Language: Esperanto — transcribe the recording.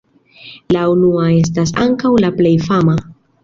La unua estas ankaŭ la plej fama.